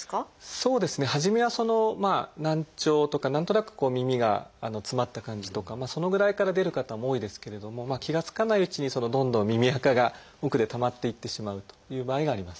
そうですね初めは難聴とか何となく耳が詰まった感じとかそのぐらいから出る方も多いですけれども気が付かないうちにどんどん耳あかが奥でたまっていってしまうという場合があります。